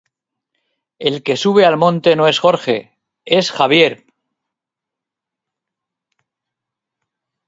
El que sube al monte no es Jorge, ¡es Javier!